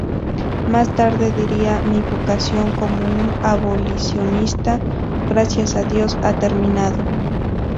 Más tarde diría: "Mi vocación, como un abolicionista, gracias a Dios, ha terminado.